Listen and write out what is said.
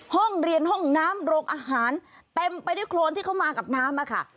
ห้องเรียนห้องน้ำโรงอาหารเต็มไปด้วยโครนที่เข้ามากับน้ำอะค่ะ